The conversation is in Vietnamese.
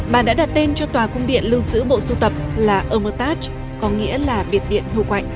bà đã đặt tên cho tòa cung điện lưu giữ bộ sưu tập là ammutage có nghĩa là biệt điện hưu quạnh